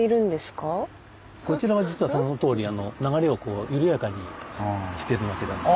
こちらは実はそのとおり流れを緩やかにしてるわけなんです。